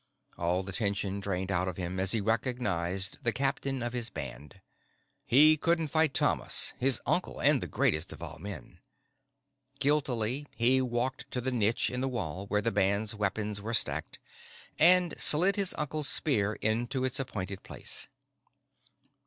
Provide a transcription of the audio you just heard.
All the tension drained out of him as he recognized the captain of his band. He couldn't fight Thomas. His uncle. And the greatest of all men. Guiltily, he walked to the niche in the wall where the band's weapons were stacked and slid his uncle's spear into its appointed place.